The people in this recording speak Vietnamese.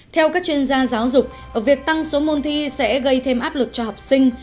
theo các chuyên gia giáo dục việc tăng số môn thi sẽ gây thêm áp lực cho học sinh